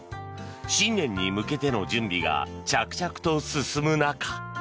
新年に向けての準備が着々と進む中。